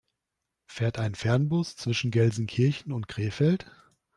Fährt ein Fernbus zwischen Gelsenkirchen und Krefeld?